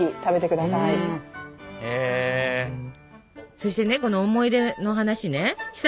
そしてねこの思い出の話ねひさ